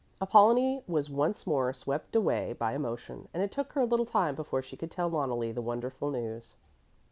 Apollonie was once more swept away by emotion, and it took her a little time before she could tell Loneli the wonderful news.